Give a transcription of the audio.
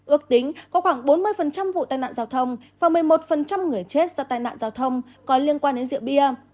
ước tính có khoảng bốn mươi vụ tai nạn giao thông và một mươi một người chết do tai nạn giao thông có liên quan đến rượu bia